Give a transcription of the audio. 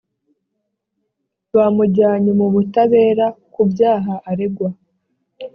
bamujyanye mu butabera ku byaha aregwa